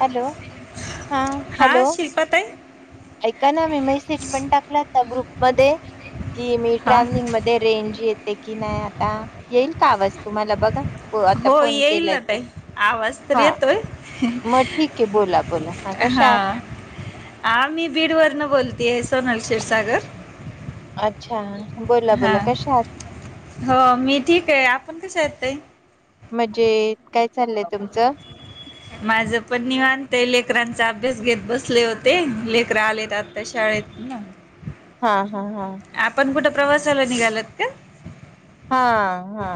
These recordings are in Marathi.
हॅलो हा हा हॅलो. शिल्पा ताई ऐका ना मी मेसेज पण टाकलाता ग्रुप मध्ये कि मी हा ट्रॅव्हलिंग मध्ये रेंज येते की नाही आता येईल का आवाज तुमला बघा आता हो फोन येईल केलाय ना ताई आवाज तर हा येतोय मग ठीक आहे बोला बोला कशा हा आहात हा मी बीड वर्न बोलतेय सोनल क्षीरसागर अच्छा बोला हा बोला कशा आहात हो मी ठीक आहे आपण कशा आहात ताई म्हणजे काय चाललंय तुमचं माझ पण निवांत लेकरांचा अभ्यास घेत बसले होते लेकर आलेत आता शाळ. ना हा हा हा. आपण कुठं प्रवासाला निघालात का हा हा.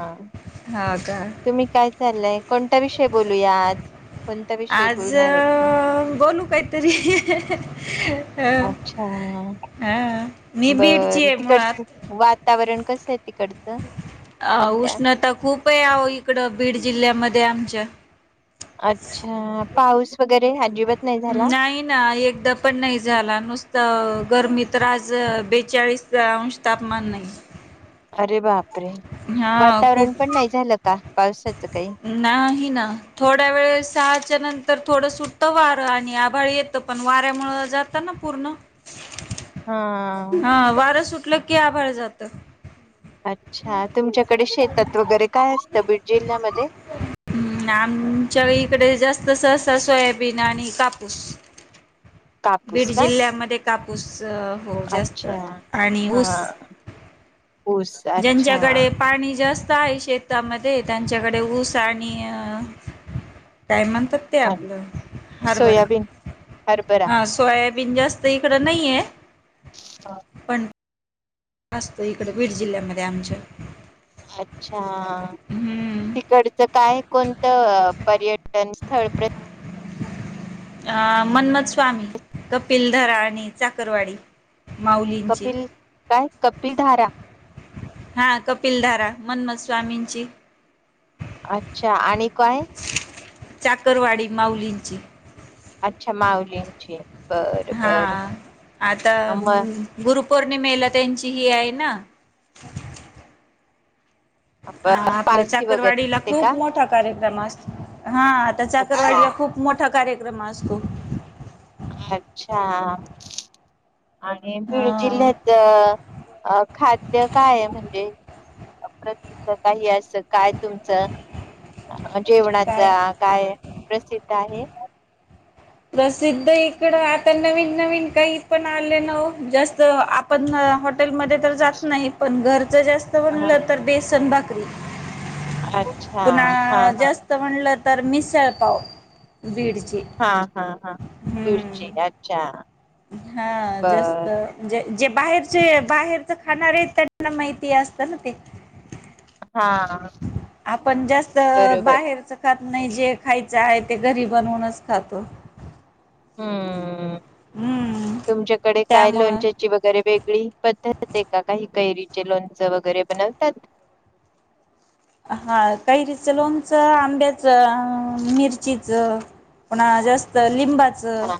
हा. का तुम्ही काय चाललंय कोणत्या विषयी बोलूया आज कोणता विषय आज बोलणार आहे तुम्ही बोलू काहीतरी अं, अच्छा हा मी बीडची बर आहे तिकड मुळात वातावरण कस आहे तिकडचं अ सध्या उष्णता खूप आहे आ इकड बीड जिल्ह्यामध्ये आमच्या अच्छा पाऊस वगैरे अजिबात नाही झाला? नाही ना एकदा पण नाही झाला नुसत गरमी तर आज बेचाळीस अंश तापमान नाही अरे बापरे खूप वातावरण पण नाही झालं का पावसाात. नाही ना थोड्या वेळ सहाच्या नंतर. तर थोडं सुटत वारं आणि आभाळ येतं पण वाऱ्यामु जातात ना पूर्ण. हा कलं की आभार जातं अच्छा तुमच्याकडे शेतात वगैरे काय असतं बीड जिल्ह्यामध्ये. ह् आमच्या इकडे जास्त अस. सोयाबीन आणि कापूस बीड कापूस का? जिल्ह्यामध्ये कापूस. हो जास्त अच्छा आणि ऊस हा ऊस अच्छा ज्यांच्याकडे पाणी जास्त आहे शेतामध्ये त्यांच्याकडे ऊस आणि काय म्हणतात ते अ आपलं हरभरा सोयाबीन हरभरा हां सोयाब बं जास्त इकडं नाहीे हा असतो इकडे बीड जिल्ह्यामध्ये आमच्या अच्छा हम्म. तिकडचं काय कोणतं पर्यटन थर्ड प्र अ मन्मथ स्वामी कपिल धरा आणि चाकरवाडी माऊलींची कपिल धारा हा कपिलधारा मन्म स्वामींची अच्छा आणि काय चाकरवाडी माउलींची अच्छा मावलींगची हा आता म गुरु पौर्णिमेला त्यांची हि आहे ना हा आपलं पालखी वगैरे चाकरवाडीला असते का? खूप मोठा कार्यक्रम असतो हा आता अच्छा चाकरवाडीला खूप मोठा कार्यक्रम असतो अच्छा आणि बीड हा जिल्ह्यात अ खाद्य काय म्हणजे अप काही असं काय तुमचं जेवणाच काय काय प्रसिद्ध आहे प्रसिद्ध इकड आता नवीन नवीन काही पण आले न जसत आपण हॉटेलमध्ये तर जात नाही पण घरच जास्त अ बनलं तर बेसन भाकरी अच्छा हा पुन्हा हा जास्त म्हणटलं तर मिसळ पाव बीड हा हा हा मिळची अच्छा हा बर जास्ते जे बाहेरचे बाहेरच खाणार आहे त्यांना माहिती असतं ना ते हा आपण जास्त बरोबर बाहेरच खात. नाही जे खायचं आहे. ते गरीबांहूनच खातो. हं हम्म तुमच्याकडे काय त्यामुळं लोणच्याची वगैरे वेगळी पद्धत आहे का? काही कैरी. कैरीचे लोणचे वगैरे बनवतात. हा कैरीचं लोणचं, आंब्याचं, मिरचीच पुन्हा जास्त लिंबाचं हा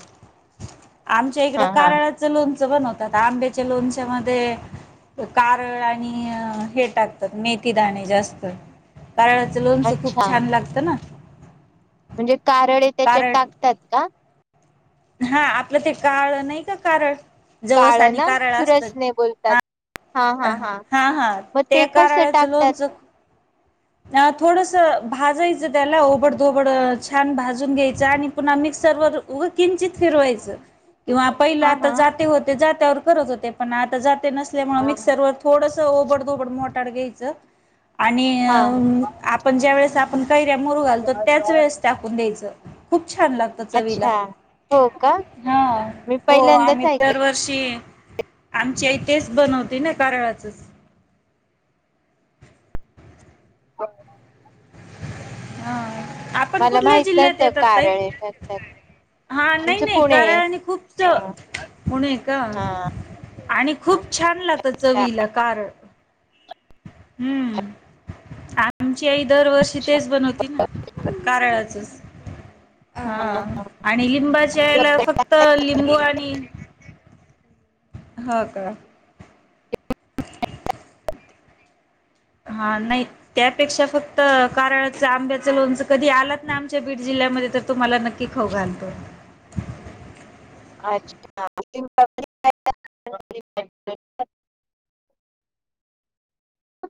आमच्या इकड हा हा कारळाचं लोणचं बनवतात. आंब्याच्या लोणच्यामध्ये कारळ आणि हे टाकतात. मेथीदाणे जास्त कारळाचं लोणचं खूप अच्छा छान लागतं ना. त्याच्या कारळ टाकतात का? हा आपलं ते कारळ नाही का कारण जवस काळ आणि ना कारळा असतात. सुरसने बोलतात. हा हा हा अ हा हा. मग ते कसं कराळाचं टाकतात? लोणचे थोडस भाजायचं त्याला ओबड धोबड छान भाजून घ्यायचं आणि पुन्हा आम्ही सर्व उगं किंचित फिरवायचं. किंवा पहिलं हा आता हा जाते होते. जात्यावर करत होते, पण आता जात नसल्यामुळे हा मिक्सर व थोडस ओबड दोबड मोटाड घ्यायचं. आणि हा आपण ज्या वेळेस आपण कैऱ्या मोरू घालतो. त्याच वेळेस टाकून द्यायचं खूप खूप छान लागतं चवीला.... अच्छा हो का? हा मी हो... पहिल्यांदाच आम्ही ऐकलं. दरवर्षी आमच्या इथे तेच बनवते ना. कारळाचच ह हा आपण कुठल्या माहित जिल्ह्यात नव्हतं येतात ताई? कारळे टाकतात. हा नाही आमचं नाही पुणे कारळ. आहे. आणि खूप हा होणय का? हा आणि खूप छान लागतं. चवीला कारळ हं. आमच्या आ दरवर्षी अच्छा तेच बनवती ना. कारळाच हा आणि लिंबाच्या ह्याला फक्त लिंबू आणि हा का? हा नाही त्यापेक्षा फक्त कारळाच आंब्याचं लोणच कधी आलात ना आमच्या बीड जिल्ह्यात तुम्हाला नक्की खाऊ घालतो. अच्छा् [inaudible] [unintelligible] [inaudible] [inaudible]